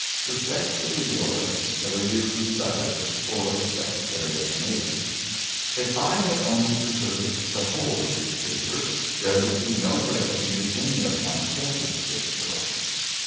"Respectfully yours, "W. SOUTHARD, for the "Secretary of the Navy" If I had only preserved the whole of this paper, there would be no break in the beginning of my sketch of this story.